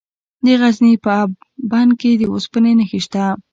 د غزني په اب بند کې د اوسپنې نښې شته.